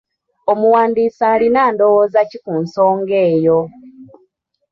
Omuwandiisi alina ndowooza ki ku nsonga eyo?